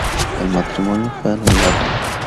El matrimonio fue anulado.